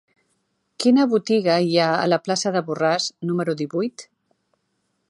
Quina botiga hi ha a la plaça de Borràs número divuit?